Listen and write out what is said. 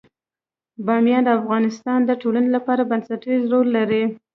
بامیان د افغانستان د ټولنې لپاره بنسټيز رول لري.